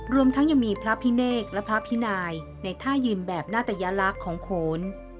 รวมทั้งยังมีพระพิเนกและพระพินายในท่ายืมแบบนาตยลักษณ์ของโขน